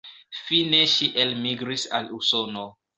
Fine ŝi elmigris al Usono.